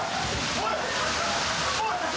おい！